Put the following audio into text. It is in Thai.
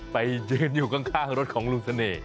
ไปยืนอยู่ข้างรถของลุงเสน่ห